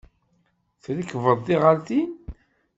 Trekbeḍ tiɣaltin.